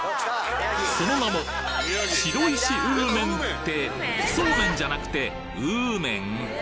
その名もってそうめんじゃなくてうーめん？